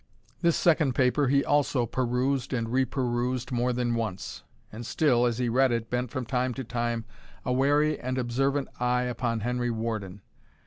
This second paper he also perused and reperused more than once, and still, as he read it, bent from time to time a wary and observant eye upon Henry Warden.